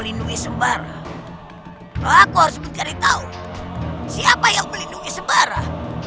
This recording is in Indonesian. bagus sembara aku harus mengingatkan kau siapa yang melindungi sembara